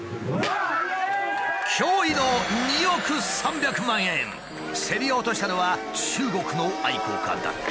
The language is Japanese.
驚異の競り落としたのは中国の愛好家だった。